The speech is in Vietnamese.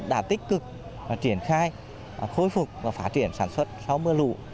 đã tích cực triển khai khôi phục và phát triển sản xuất sau mưa lũ